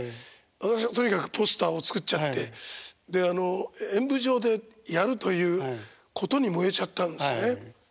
私はとにかくポスターを作っちゃってであの演舞場でやるということに燃えちゃったんですね。